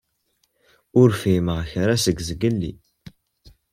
Ur fhimeɣ kra seg zgelli.